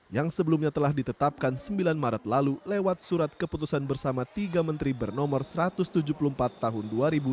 yang sebelumnya telah ditetapkan sembilan maret lalu lewat surat keputusan bersama tiga menteri bernomor satu ratus tujuh puluh empat tahun dua ribu dua puluh